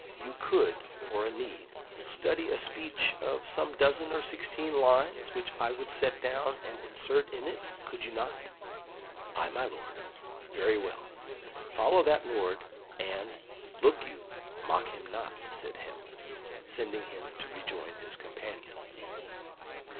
You could, for a need, study a speech of some dozen or sixteen lines, which I would set down and insert in it, could you not?" "Ay, my lord." "Very well. Follow that lord, and, look you, mock him not," said Hamlet, sending him to rejoin his companions.